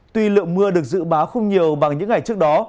tuy lượng mưa được dự báo không nhiều bằng những ngày trước đó